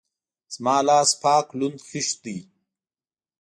زما لاس پاک لوند خيشت ده.